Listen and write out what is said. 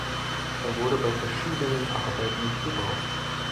Er wurde bei verschiedenen Arbeiten gebraucht.